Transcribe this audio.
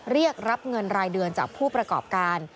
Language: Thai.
เรียกรับเงินรายเดือนจากผู้ประกอบการ